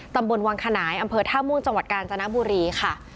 ตำบลวังขนายอำเภอท่าม่วงจังหวัดกาญจนบุรีค่ะ